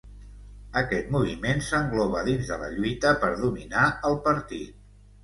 Aquest moviment s’engloba dins de la lluita per dominar el partit.